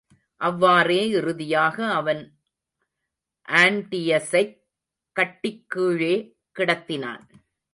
அவ்வாறே இறுதியாக அவன் ஆன்டியஸைக் கட்டிக் கீழே கிடத்தினான்.